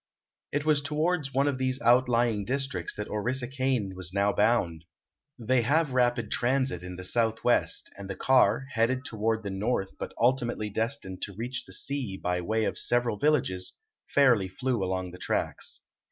It was toward one of these outlying districts that Orissa Kane was now bound. They have rapid transit in the Southwest, and the car, headed toward the north but ultimately destined to reach the sea by way of several villages, fairly flew along the tracks.